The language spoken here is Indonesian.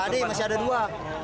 imponya tadi masih ada dua